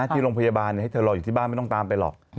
ที่โรงพยาบาลให้เธอรออยู่ที่บ้านไม่ต้องตามไปหรอก